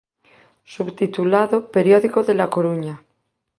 Subtitulado "Periódico de La Coruña.